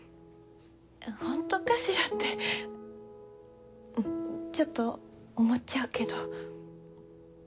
ホントかしらってちょっと思っちゃうけど。